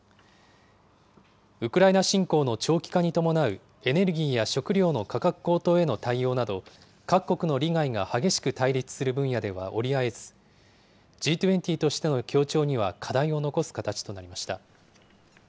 ウクライナ侵攻の長期化に伴うエネルギーや食料の価格高騰への対応など、各国の利害が激しく対立する分野では折り合えず、Ｇ２０としての協調には課題を残す形となりました。